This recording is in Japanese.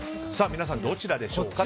皆さん、どちらでしょうか。